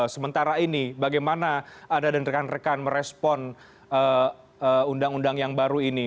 sementara ini bagaimana anda dan rekan rekan merespon undang undang yang baru ini